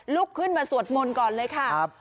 ลุกขึ้นมาสวดมนต์ก่อนเลยค่ะ